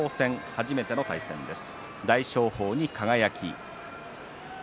初めての対戦です。